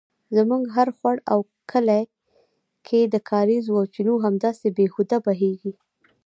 زموږ هر خوړ او کلي کې د کاریزو او چینو همداسې بې هوده بیهږي